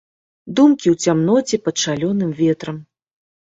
Думкі ў цямноце пад шалёным ветрам.